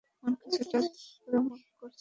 মন কিছুটা ধকধক করছে।